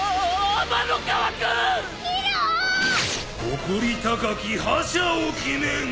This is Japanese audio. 誇り高き覇者を決めん！